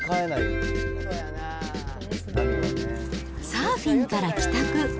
サーフィンから帰宅。